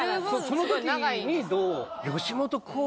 その時にどう。